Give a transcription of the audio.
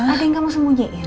ada yang kamu sembunyiin